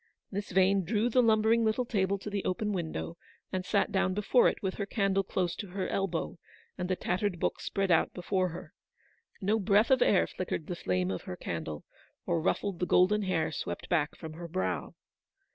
Miss Yane drew the lumbering little table to the open window, and sat down before it, with her candle close to her elbow, and the tattered book spread out before her. No breath of air flickered the flame of her candle, or ruffled the golden hair swept back from her brow.